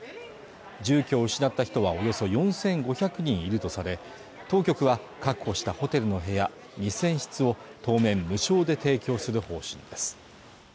住居を失った人はおよそ４５００人いるとされ当局は確保したホテルの部屋２０００室を当面無償で提供する方針です